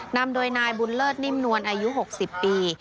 นำโดยนายบุญเลิศนิ่มนวลอายุ๖๐ปี